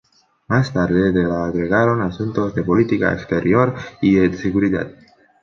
Más tarde se le agregaron asuntos de política exterior y de seguridad.